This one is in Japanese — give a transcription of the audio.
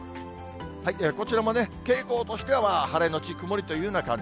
こちらも傾向としては晴れのち曇りというような感じ。